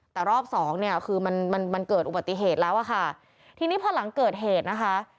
แต่รอบสองเนี่ยคือมันมันเกิดอุบัติเหตุแล้วอะค่ะทีนี้พอหลังเกิดเหตุนะคะ